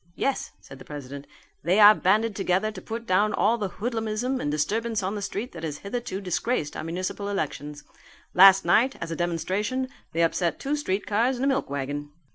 "Yes," said the president, "they are banded together to put down all the hoodlumism and disturbance on the street that has hitherto disgraced our municipal elections. Last night, as a demonstration, they upset two streetcars and a milk wagon."